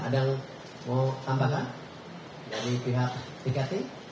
ada yang mau tambahkan dari pihak tiketing